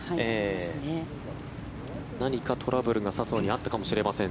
何かトラブルが笹生にあったかもしれません。